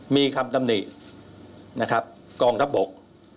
มีคำตำหนินะครับกองทัพบก